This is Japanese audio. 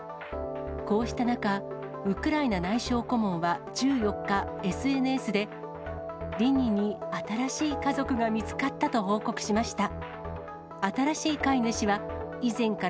こうした中、ウクライナ内相顧問は１４日、ＳＮＳで、リニに新しい家族が見つかったと報告しました。